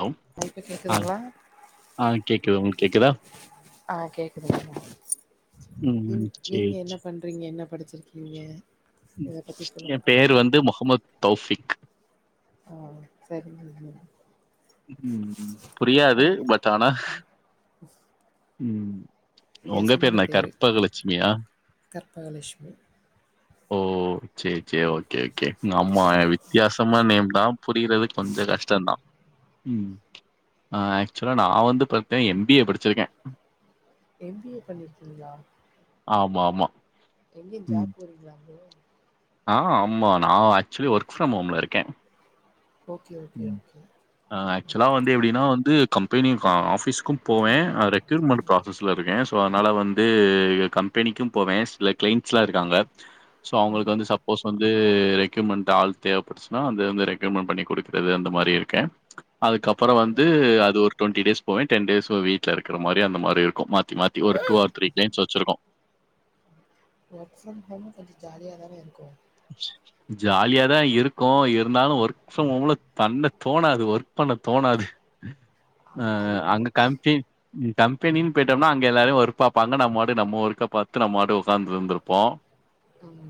Hello அ இப்ப ஆ கேக்குதுங்ளா ஆ கேக்குதா உன் கேக்குதா ஆ கேக்குதுங்மோ ம் நீங் நீங்க சேரி என்னப் பண்றீங்க என்ன படிச்சிருக்கீங்க இத பத்தி சொல்லுங்க எம் பேரு பேசலா வந்து மொகமத் தௌபிக் ஆ சரிங்கங்க ம் புரியாது பட் ஆனா ம் ஒங்க பேரு என்ன கற்பகலட்சுமியா கற்பகலட்சுமி ஓ சேரி சேரி ஓகேக் கே நம்மா வித்தியாசமான் நேம்தா புரிறது கொஞ்ச கஷ்டந்தா ம் ஆ ஆக்சுவலா நா வந்து பாத்தா எம் பி ஏ படிச்சிருக்கே எம் பி ஏ பண்ணிருக்கீங்களா ஆமா ஆமா எங்கயு ம் ஜாப் போறீங்களா ப்ரோ ஆ ஆமா நா ஆக்சுவலி ஒர்க் ஃப்ரம் ஹோம்ல இருக்கே ஓகே ஓகே ஓகே ஆ ஆக்சுவலா வந்து எப்டினா வந்து கம்பெனி ஆஃபிஸ்க்கு போவே ஆ அ ரெக்யூட்மெண்ட் ப்ரா ஸஸ்ல் இருக்கே சோ அதனால வந்து கம்பெனிக்கு போவே சில கிளைண்ட்ஸ்லா இருக்காங்க சோ அவங்களுக்கு வந்து சப்போஸ் வந்து ரெக்யுட்மெண்ட் ஆள் தேவப்படுச்சுன்னா அங்க வந்து ரெக்யுட்மெண்ட் பண்ணி குடு க்குறது அந்த மாரி இருக்கே அதுக்கப்புறோ வந்து அது ஒரு டுவெண்ட்டி டேஸ் போவே டென் டேஸ் வீடீல் இருக்குற மாரி அந்த மாரி இருக்கு மாத்தி மாத்தி ஒரு டூ ஆர் த்ரீ க்ளைண்ட்ஸ் வெச்சிருக்கு ஒர்க் ஃப்ரம் ஹோமு கொஞ்ச ஜாலியா தானே இருக்கு ஜாலியாதா இருக்கு இருந்தாலு ஒர்க் ஃப்ரம் ஹோம்ல தண்ண தோணாது ஒர்க் பண்ண தோணாது ஆ அ அது உண்ம அங்க காம்ச்சி கம்பெனின்னு போயிட்டோனா அங்க எல்லாரையு ஒர்க பாப்பாங்க நம்ம வந்து நம்ம ஒர்க்க பாத்து நம்ம வந்து உக்காந்து இருந்திருப்போ ஆமா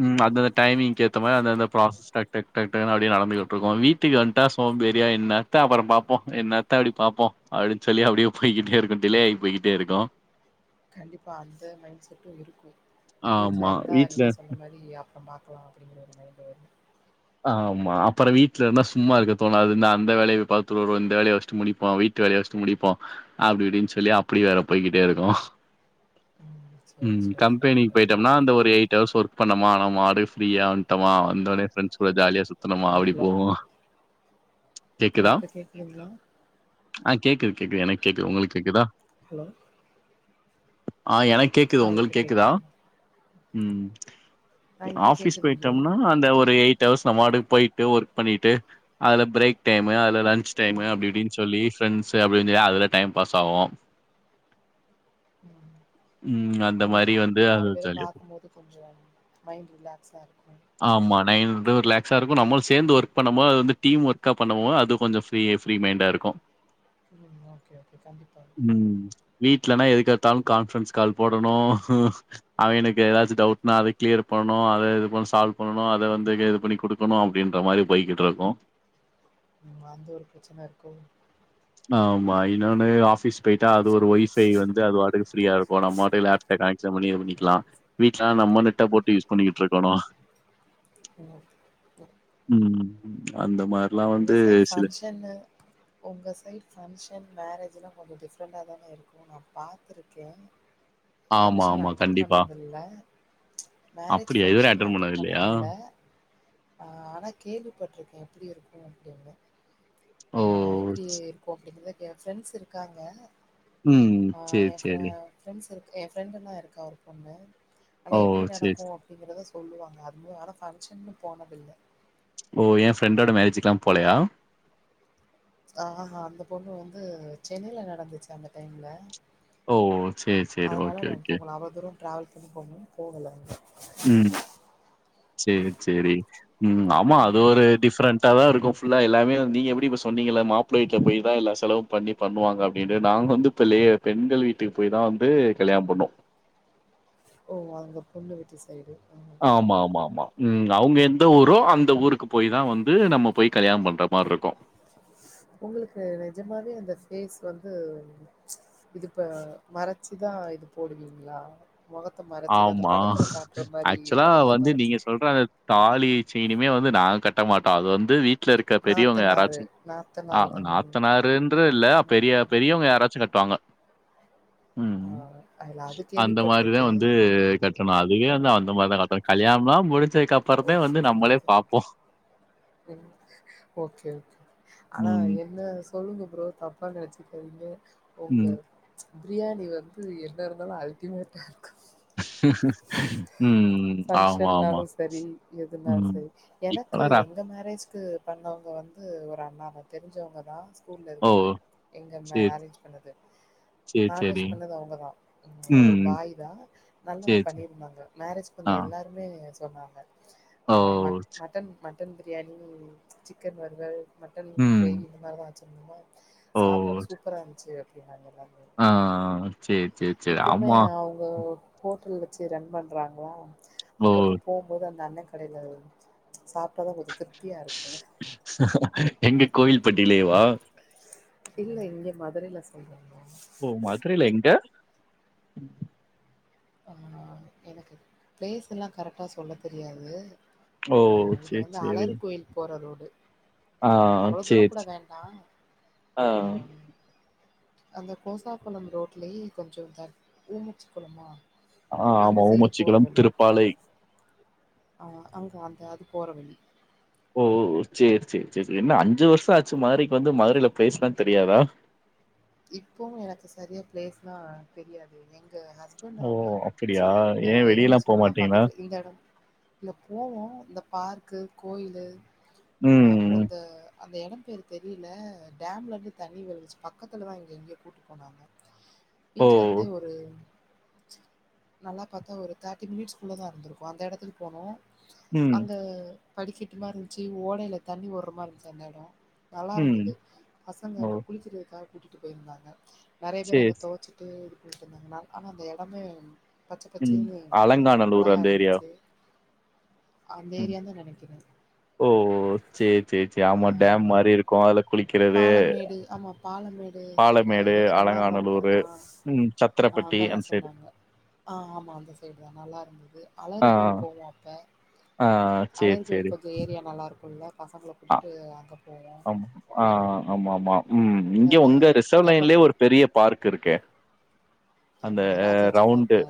ம் அந்த அந்த டைமிங்க்கு ஏத்த மாரி அந்த அந்த ப்ராசஸ் டக் டக் டக்னு அப்டியே நடந்துட்ருக்கு வீட்டுக்கு வந்ட்டா சோம்பேரியா என்ன த்த அப்புறோ பாப்போ என்னத்த அப்படி பாப்போ அப்டின்னு சொல்லி அப்டியே போய்கிட்டே இருக்கு டிலே ஆகி போய்கிட்டே இருக்கு [unintelligible] [inaudible] கண்டிப்பா அந்த மைண்ட் செட்டு இருக்கு வீட்ல ஆமா இருந்தா வீட்ல நீங்க சொன்ன மாரி அ ப்றோ பாக்கலா அப்டிங்குற ஒரு மைண்டு வரு ஆமா அப்புறோ வீட்ல இருந்தா சும்மா இருக்க தோணாது நா அந்த வேலைய பாத்துறதோ இந்த வேலைய ஃபர்ஸ்ட்டு முடிப்போ வீட் டு வேலைய ஃபர்ஸ்ட்டு முடிப்போ அப்டி இப்டின்னு சொல்லி அப்டி வேற போய்கிட்டே இருக்கு ம் சேரி ம் சேரி கம்பெனிக்கு சரிங்க போயிட்டோம்னா அந்த ஒரு எயிட் ஹர்ஸ் ஒர்க் பண்ணோமா நம்ம அப்டியே ஃப்ரீயா தமா வந்தோனே ஃப்ரெண்ட்ஸ் கூட ஜாலியா சுத்துனோமா ஆ அப்டி ஹலோ போவோ ஆ இப்ப கேக்குதுங்ளா ஆ கேக்கு கேக்கு எனக்கு கேக்கு உங்களுக் கேக்குதா ஹலோ ஆ எனக் கேக்குது ஆ இப்ப உங்களுக் கேக்குதா கேக்குதுங்க ம் ஆ இப்ப ஆஃபிஸ் கேக்குதுங்க போயிட்டம்னா அந்த ஒரு எயிட் ஹர்ஸ் இந்த மாரி போயிட்டு ஒர்க் பண்ணிட்டு அதுல பிரேக் டைமு அதுல லன்ச் ப்ரோ டைமு ம் அப்டி இப்டின்னு சொல்லி ஃப்ரெண்ட்ஸு அப்டின்னு சொல்லி அதுல டைம் பாஸ் ஆகு ம் ம் நா ஆமா கொஞ்ச நாலு பேர பாக்கும்போது கொஞ்சோ மைண்ட் ரிலாக்ஸா இருக்கு ஆமா நைன் ஹவர் ரிலாக்ஸா இருக்கு நம்மளு சேர்ந்து ஒர்க் பண்ணமோது அது வந்து டீம் ஒர்கா பண்ணுவோ அது கொஞ்சோ ஃபிரீ ஃபிரீ மைண்டா இருக்கு [unintelligible] ம் ஓகே ஓகே கண்டிப்பா ம் வீட்லனா எதுக்கெடுத்தாலு கான்ஃப்ரன்ஸ் கால் போடணு அவங்களுக்கு ஏதாச்சு டவுட்னா அத கிளியர் பண்ணனு அத இது பன் சால்வ் பண்ணனு அத வந்து க்ளியர் பண்ணி குடுக்கணு அப்டின்ற மாரி பைக்கிட்டு இருக்கு ம் அந்த ஒரு பிரச்சன இருக்கு ஆமா இ ன்னொன்னு ஆஃபிஸ் போய்ட்டா அது ஒரு ஒய்ஃபை வந்து அது வாடுக்கு ஃப்ரியா இருக்கு நம்ம வாடுக்கு லேப்ல கனெக்ஷன் பண்ணி இது பண்ணிக்குலா வீட்லனா நம்ம நெட்ட போட்டு யூஸ் பண்ணிக்கிட்டு இருக்கணு என்ன உம்ம் அந்த மார் ஒங்க சைட் ஃபங்க்ஷனு ஒங்க சைட் ஃபங்க்ஷன் மேரேஜ்லா கொஞ்சோ டிஃப்ரெண்டாதாங்க இருக் உன்ன பாத்துருக்கே ஆமா ஃபங்க்ஷன் ஆமா அட்டன் கண்டிப்பா பண்ணது இல்ல மேரேஜ் அப்டியா இதுவர ஃபங்க்ஷன் அட்டன் பண்ணது இல்லையா பண்ணதில்ல அ ஆனா கேள்விப்பட்ருக்கே எப்டி இருக்கூ அப்டின்னு ஓ அ எப்டி ஓகே இதுவே கேல் ஸ்ஃப்ரெண்ட்ஸ் இருக்காங்க ம் அ [inaudible] சேரி ஏ ஃப சேரி ஃப்ரெண்ட்ஸ் இருக்கு என் ஃப்ரெண்டுந்தா இருக்கா ஒரு பொண்ணு ஆனா ஓ எப்புடி நடக்கூ சேரி அப்டிங்கிறத சொல்லுவாங்க அதுவும் ஆனா ஃபங்க்ஷன்னு போனதில்ல ஓ ஏ ஃப்ரெண்டோட மேரேஜ்க்கெல்லாம் போலயா ஆஹா அந்த பொண்ணு வந்து சென்னைல நடந்துச்சு அந்த டைம்ல ஓ! சரி, சரி. அதனால ஓகே, நா ஓகே. போகல அவ்ள தூரம் டிராவல் பண்ணி போகன்னு போகல உம் சேரி சேரி உம் ஆமா அது ம் ஒரு டிஃபரென்ட் டா தா இருக்கு ஃபுல்லா எல்லாமே நீங்க எப்டி இப்போ சொன்னீங்கல மாப்ள வீட்ல போயி தா எல்லா செலவும் பண்ணி பண்ணுவாங்க அப்டின்டு நாங்க வந்து லயே பெண்கள் வீட்டுக்கு போய் தா வந்து கல்யாணம் பண்வோ ஓ அங்க பொண்ணு வீட்டு சைடு ஆமா ஆமா ஆமா உம் அவுங்க எந்த ஊரோ அந்த ஊருக்கு போய் தா வந்து நம்ம போய் கல்யாணம் பண்ற மாரி இருக்கூ ஒங்களுக்கு நெஜமாவே அந்த ஃபேஸ் வந்து இதுப்ப மறச்சுதா இது போடுவீங்ளா மொகத்த மறச்சி இது அந்த ஆமா. படத்துல காட்ற மாரி ஆக்சுவலா மொகத்த வந்து மறச்சு நீங்க சொல்ற அந்த தாலி சீனுமே வந்து நாங்க கட்ட மாட்டோ அது வந்து வீட் ட்ல இருக்க பெரியவுங்க நாத்தனாரு யாருச்சும் அ நாத்தனாரு தாங்க எங்களுக்கு நாத்தனாறுன் னு இல்ல பெரிய பெரியவுங்க யாராச்சும் கட்டுவாங்க அ ம். அது அது கேள்விப்பட்ருக்கே இது கட்டணு அதுவே வந்து அந்த மாரி தா கட்டணு கல்யாணம்லாம் முடிஞ் [unintelligible] சு துக்கு அப்பறந்தா வந்து நம்மளே பாப்போ உம் ஓகே ஓகே ஆனா ம், என்ன சொ சொல்லுங்க ப்ரோ தப்பா நெனைச்சிக்காதிங்க ஒங்க ம். பிரியாணி வந்து என்ன இருந்தாலு அல்டிமேட்டா இருக்கு உம் ஃபங்கஷன்னாலும் சரி எதுனாலும் ம். சரி எனக்கு இப்பலாம் ரா எங் ஏங்க மேரேஜ்க்கு பண்ணவங்க வந்து ஒரு அண்ணா தா தெரிஞ்சவங்க தா ஸ்கூல்ல ஓ! இருக்கூ எங்க சரி, மேரேஞ்ச் பண்ணது சரி, நான் சரி. வஜ் பண்ணது அவுங்க தா ஒரு ம். பாய் தா நல்லா சரி, சரி. பண்ணிருந்தாங்க மேரேஜ் வந்த ஆ. எல்லாருமே சொன்னாங்க ஓ! மட் மட் [unintelligible] மட்டன் மட்டன் பிரியாணி சிக்கன் வருவல் மட்டன் ம். கிரேவி இந்த மாரி தா வச்சுருந்தோ ஓ! சாப்பாடு சூப்பரா இருந்ச்சு அப்டின்னாங்க எல்லார்மே ஆ உம் சேர் சேர் இப்போமே அவ்ங்க ஹோட்டல் வச்சி ரன் பண்றாங்ளா ஓ! அப்பப்போ போவ் ப்போது அந்த அண்ணே கடைல சாப்ட்டா தா கொஞ்சோ திருப்தியா இருக்கும் எங்க கோவில்பட்டிலேவா இல்ல இங்க மதுரைல சொல்றாங்கோ ஓ மதுரைல எங்க அ எனக்கு பிளேஸ் எல்லா கரெக்டா சொல்ல தெரியாது ஓ! ஆ இது சரி, வந்து சரி. அலறு கோயில் போற ரோடு ஆ அவ்ளோ தூரோ சேர் கூட செ வேண்டா ஆ அந்த கோசாகள ரோட்லயே கொஞ்ச த ஊமுச் கொளமா ஆ ஆமா. அந்த சைட் போற ஓமச்சுக்குளம், வழி திருப்பாலை. அ அங்க அந்த அது போற வழி ஓ சேர் சேர் செரி என்ன அஞ்சு வர்ஷ ஆச்சு மதுரைக் வந்து மதுரைல பேஸ்லா தெர்யாதா இப்பவு எனக் சரியா பிளேஸ்லா தெரியாது எங்க ஹஸ்பண்ட் ஓ அவ்ங்க அப்டியா அ ஏ எதுவு வெளியலா போ சொன்னா மாட்டீங்களா பக்கத்ல இந்த எடம் இங்க போவோ இந்த பார்க்கு கோயிலு அ அப்றோ ம் ந்த அந்த எடம் பேர் தெரில டேம்லேருந்து தண்ணி விழுச் பக் பக்கத்துல தா இங்க எங்யோ கூட் போனாங்க ஓ வீட்லருந்து ஒரு நல்லா பாத்தா ஒரு தேர்ட்டி மினிட்ஸ் குள்ளதா இருந்ருக் அந்த எடத்துக்கு போனோ ம் அங்க படிக்கெட்டு மாரி இருந்ச்சி ஓடையில தண்ணி ஓர்ற மார் இருந்ச் அந்த எடம் நல்லாருந்துது ம் பசங்க ஓ அங்க குளிக்றக்காக கூட்டிட்டு போய்ருந்தாங்க நெறைய பேர் சேரி அங்க தோச்சு டு போட்டு இருந்தாங்க ஆனா அந்த எடமே பச்ச ம் பச்சேனு அலங்காநல்லூர் அழகா அந்த ஏரியா ருந்துச்சே அந்த ம் ஏரியா தா நெனைக்குற ஓ சேர் சேர் செ ஆ ஆமா டேம் மாரி இருக்கோ அதல குளிக்கிறது து ஆமாப் பாலமேடு சீடா பாலமேடு ஏதோ சொன்னாங்க அவ்ங்க அலங்காநல்லூரு ஆ ம் ஆ சத்திரப்பட்டி அங்கதா அந்த சைடு சொன்னாங்க ஆ ஆமா அந்த சய்ட் தா நல்லா ருந்துது ஆ அலரி கோய்ல் போவோ அப்ப ஆ ஆ சேரி அலரி கோவில் சேரி பக் து ஏரியா நல்லா ருக்குல பசங்ள ஆ கூட்டு அங்க போவோ ஆ ஆமா ஆமா ம் இங்க வேற உங்க ரிசவ் தப்ப லைன்லே ஒரு பெரிய பார்க் இருக்கே அந்த ஆமா அ ராஜாஜி ரவ்ண்டு பார்க்கா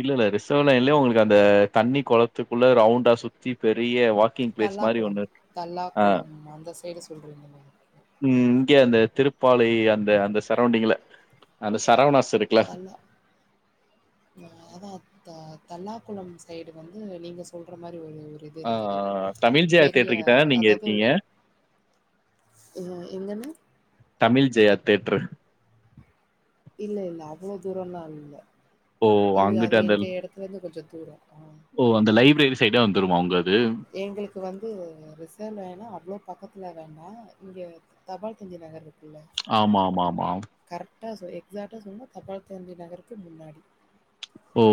இல்ல இல்ல ரிசவ்லைன்லே உங்ளுக் அந்த தண்ணி கொளத்துக்குள்ள ரவுண்டா சுத்தி பெரிய வாக் தல்லாக்குளம் தல்லாக்குளம் அந்த சய்டு சொல்றீங்கலா ம் இங்க அந்த திருப்பாளை அந்த அந்த சரௌண்டிங்ல அந்த சரவணாஸ் இருக் தள்ளா மா அதா த தல்லாகுளம் சைடு வந்து நீங்க சொல்ற மாரி ஒரு ஒரு இ ஆ இருக்குது தமிழ் ஜெயா பெரிய தியேட்டர் கிட்ட நீங்க அதாவ்து இருக்கீங்க? ஒரு ஆ எங்கென்ன தமில் ஜெயா தேட்ரு இல்ல இல்ல அவ்ளோ தூரோலா இல்ல ஓ! இது அது அங்கிட்டு அந்த எங்க எடத்லருந்து கொஞ்சோ தூரோ ஓ அந்த லைப்ரெரி சேய்டா வந்ருமா உங்க அது எங்ளுக்கு வந்து ரிசவ் வேணா அவ்ளோ பக்கத்ல வேணா இங்க தபால் தந்தி நகர் இருக்ல ஆமா ஆமா ஆமா கரக்டா எக்ஸாக்ட்டா சொல்லுனா தபால் தந்தி நகருக்கு முன்னாடி ஓ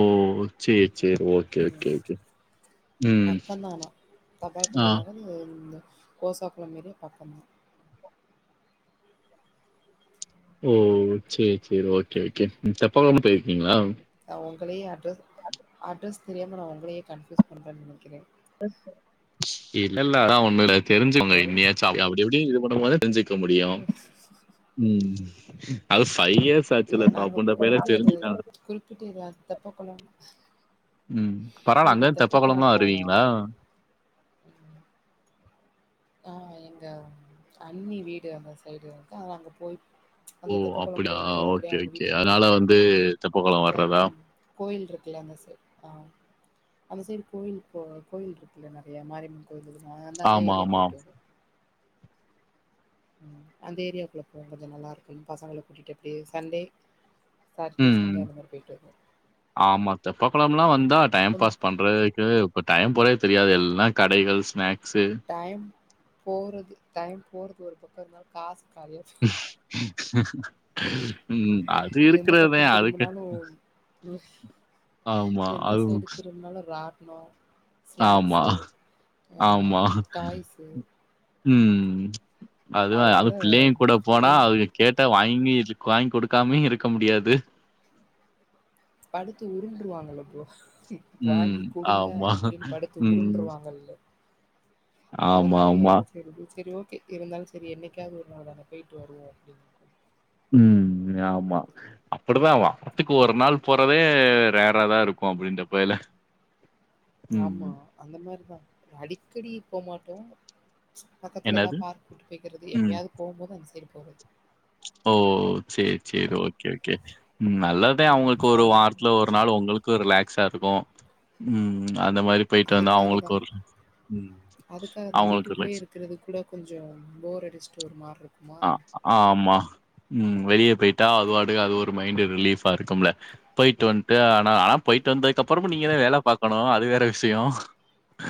சேர் சேர் ஓக்கே ம் ஓக்கே ஓகே ம் பக்கந்தான் ஆனா தபால் ஆ தந்தி நகர் இந்த கோசா குளம் மெரி பாக்கம் ஓ சேர் சேர் ஓக்கே ஓக்கே செப்பல் வாங் போய்ர்க்கீங்ளா நா உங்களே அட்ரஸ் அட்ரஸ் தெரியாம நா உங்களயே கன்ஃபயூஸ் பண்ற நெனைக்கிற இல்ல இல்ல அதா ஒண்ணு தெரிஞ்சுக்கோங்க ஹலோ இன்னாச்ச அப்டி எப்டி இது பண்ணு போது தெரிஞ்சிக்க முடியு ம் அது பைவ் இயர்ஸ் பேச்சுலர் பா [unintelligible] தெரிஞ்சிட்டா குறிப்பிட்டு இல்ல தெப்ப கொளோ ம் பரவால அங்க தெப்பகொளம்லா தெப்பக்குளம் போவோ வருவீங்களா ஆ எங்க அண்ணி வீடு அந்த சைடு இருக்கு அத அங்க போயி ஓ அந்த தெப்ப குளம் அப்படியா போயிட்டு அப்டியே ஓகே அவங்க ஓகே வீட்டுக்கு அதனால போயிட்டு வந்து தெப்பக்குளம் இந்த ந்த வர்றதா கோயில் இருக்குல்ல அந்த சை ஆ அந்த சைடு கோயில் போ கோயில் இருக்குல்ல நெறயா மாரியம்யன் கோயிலு நா அந்த ஆமா ஏரியா ஆமா போயிட்டு வருவோ ம் அந்த ஏரியாக்குள்ள போவோ கொஞ்ச நல்லா இருக்கு பசங்கள கூட்டிட்டு அப்டியே சண்டே சாட்டர்டே ம் சண்டே அந்த மாரி போயிட்டு வருவோ ஆமா அத்த தெப்ப கொளம்லா வந்தா டைம் கொஞ் பாஸ் பண் றக்கு இப்ப டைம் போறதே தெரியாது எல்லா கடைகள் ஸ்நாக்ஸ்ஸு டைம் போறது டைம் போறது ஒரு பக்கோ இருந்தாலு காசு காளியா ம் ம் அது எந்த இருக்கறதா பக்கோ அதுக்கு திரும்புனாலு ஆமா எந்த அது சைடு திரும்பனாலு ராட்னோ ஆமா ஸ்நாக்ஸு ஆ ஆமா டாய்ஸு ம் அதுவா அது அதனால பிள்ளைங் கூட போனா என் அதுங்க கேட்ட வாங்கி இருக் வாங்கி குடுக்காமயு இருக்க முடியாது படுத்து உருண்டுருவாங்களல போ ம். வாங்கி குடுங்க ஆமா. அப்டினு படுத்து ம். உருண்டுருவாங்கல்ல அதனாலயே ஆமாமா. என்ன செய்யுது செரி ஓகே இருந்தாலு செரி என்னைக்காவது ஒரு நாள் தான போயிட்டு வருவோ அப்டின்னு உம் ஆமா அப்படுதா வாத்துக்கு ஒரு நாள் போறதே ரேரா தா இருக்கு அப்டின்ற போல ஆமா அந்த மாரிதா அடிக்கடி போமாட்டோ பக்கத்துல எதா என்னது? பார்க்கு கூட்டு போய்கறது ம். எப்பயாது போபோது அந்த சைடு போறது ஓ சேரி சேரி ஓகே ஓகே ம் நல்லதா ம். அவங்களுக்கு ஒரு சரி. வாரத்துல ஒரு நால ஒங்களுக்கு ரிலாக்ஸ்சா இருக்கு அந்த மாரி போயிட்டு வந்தா அதுக்காக தா அவங்களுக்கு ஒரு ம். அதுக்காக தா அவங்களுக்கு ரிலாக்ஸ். வீட்டுக்குள்ளயே இருக்கறது கூட கொஞ்சோ போர் அடிச்சுட்டு ஒரு மாரி இருக்கு ஆ ஆ ஆமா ம் வெளிய போயிட்டா அது பாட்டுக்கு அது ஒரு மைண்டு் ரிலீஃபா இருக்கும்ல போயிட்டு வன்ட்டு ஆனா ஆனா போயிட்டு வந்ததுக்க அப்பறமும் நீங்க தா வேல பாக்கணு அது வேற விஷயோ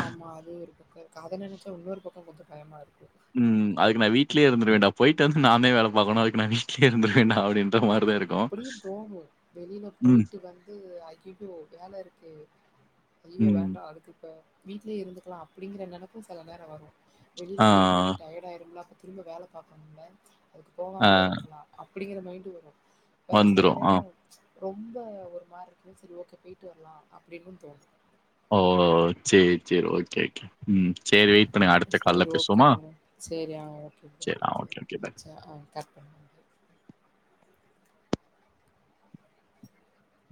ஆமா அது ஒரு பக்கோ இருக்கு அதன நெனச்சா இன்னொரு பக்கோ கொஞ்சோ பயமா இருக்கு ம் அதுக்கு நா வீட்லயே இருந்துரு வேண்டா போயிட்டு வந்து நானே வேல பாக்கணு அதுக்கு ந வீட்லயே இருந்துருவேண்டா அப்டின் அப்டியு தோனு வெளில ம் போயிட்டு வந்து அகி ஐயோ வேல இருக்கே ஐயோ ம் வேண்டா அதுக்கு இப்ப வீட்லயே இருந்துக்கலா அப்டிங்கற நெனப்பு செல நேரோ வரு வெளியில ஆ போயிட்டு வந்து டயார்ட் ஆயிரும்ல திரும்ப வேல பாக்கணும்ல அதுக்கு ஆ போகாமல இருந்துடலா அப்டிங்கிற மைண்டு வரும் வேற வந்துரு செல ஆ நேரோ ரொம்ப ஒரு மாரி இருக்கு செரி ஓகே போயிட்டு வரலா அப்டின்னு தோணு ஓ சேரி சேரி ஓகே ஓகே ம் சேரி பண்ணுங்க அடுத்த கால்ல சேரி பேசுவோமா ஓகேங்க சேரி ஆ ஓகே சேரி ஆ ஓகே ஓகே பாய் செர் ஆ கரெக்ட் பண்